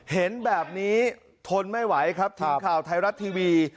เห็นแบบนี้ทนไม่ไหวครับทีมข่าวไทยรัฐทีวี